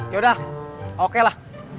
yaudah oke lah